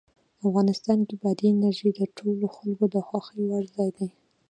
افغانستان کې بادي انرژي د ټولو خلکو د خوښې وړ ځای دی.